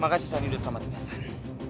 makasih sani udah selamatin hasan